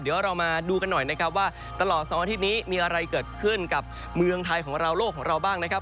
เดี๋ยวเรามาดูกันหน่อยนะครับว่าตลอด๒อาทิตย์นี้มีอะไรเกิดขึ้นกับเมืองไทยของเราโลกของเราบ้างนะครับ